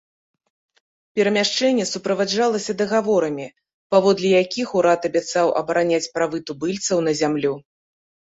Перамяшчэнне суправаджалася дагаворамі, паводле якіх урад абяцаў абараняць правы тубыльцаў на зямлю.